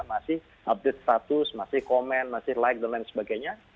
masih update status masih komen masih like dan lain sebagainya